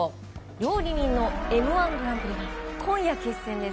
料理人の「Ｍ‐１グランプリ」が今夜決戦です。